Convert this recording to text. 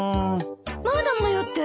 まだ迷ってるの？